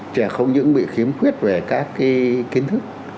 trẻ không những bị khiếm khuyết về các kiến thức